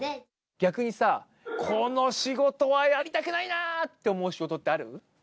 逆にさ、この仕事はやりたくないなって思う仕事ってある？